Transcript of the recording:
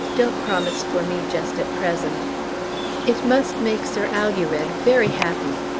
Don't promise for me just at present. It must make Sir Alured very happy.